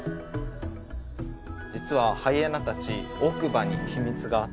実はハイエナたち奥歯に秘密があって。